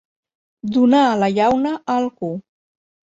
Donar la llauna a algú.